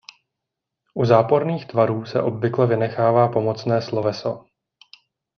U záporných tvarů se obvykle vynechává pomocné sloveso.